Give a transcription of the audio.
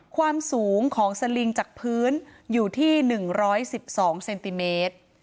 ความสูงของสลิงจากพื้นอยู่ที่๑๑๒เซนติเมตร